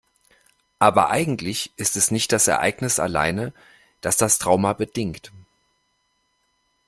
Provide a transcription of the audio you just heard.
Aber eigentlich ist es nicht das Ereignis alleine, das das Trauma bedingt.